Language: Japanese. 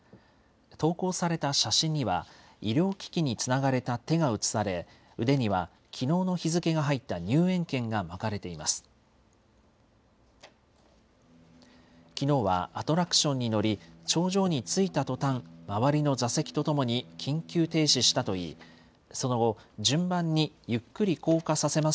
投稿された写真には、医療機器につながれた手が写され、腕にはきのうの日付が入った入園券が巻かれています。